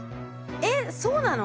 えっそうなの？